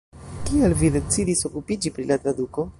Kial vi decidis okupiĝi pri la traduko?